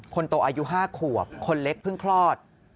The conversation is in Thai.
คนโตอายุ๕ขวบคนเล็กเพิ่งคลอด